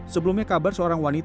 sebelumnya kabar seorang wanita